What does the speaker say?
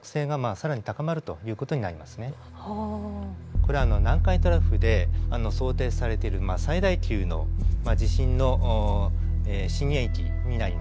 これは南海トラフで想定されている最大級の地震の震源域になります。